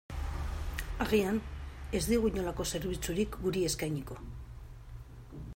Agian, ez digu inolako zerbitzurik guri eskainiko.